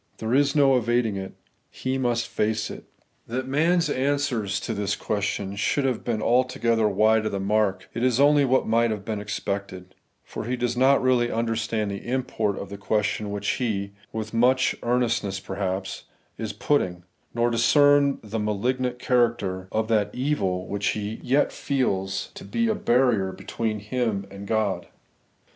There is no evading it: he must face it. That man's answers to this question should have been altogether wide of the mark, is only what might have been expected ; for he does not really understand the import of the question which he, with much earnestness perhaps, is putting, nor discern the malignant character of that evil which 2 The Evcrlading EigMcoumess^ he yet feels to be a barrier between him and God.